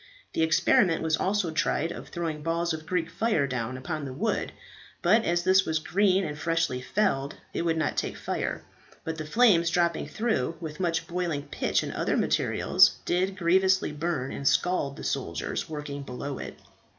The experiment was also tried of throwing balls of Greek fire down upon the wood; but as this was green and freshly felled it would not take fire, but the flames dropping through, with much boiling pitch and other materials, did grievously burn and scald the soldiers working below it.